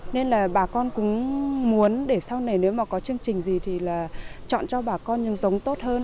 nên là bà con cũng muốn để sau này nếu mà có chương trình gì thì là chọn cho bà con những giống tốt hơn